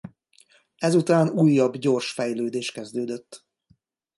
Ezután újabb gyors fejlődés kezdődött.